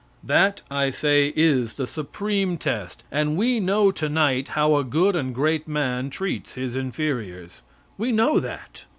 That, I say, is the supreme test, and we know tonight how a good and great man treats his inferiors. We know that.